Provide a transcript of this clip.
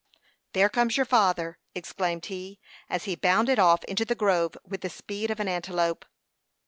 "There comes your father," exclaimed he, as he bounded off into the grove with the speed of an antelope.